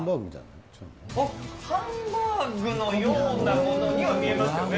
ハンバーグのようなものには見えますけどね。